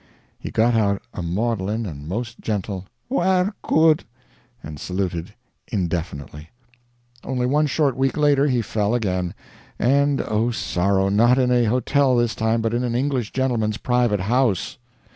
He got out a maudlin and most gentle "Wair good," and saluted indefinitely. Only one short week later he fell again. And oh, sorrow! not in a hotel this time, but in an English gentleman's private house.